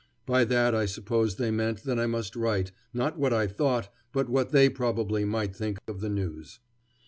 By that I suppose they meant that I must write, not what I thought, but what they probably might think of the news.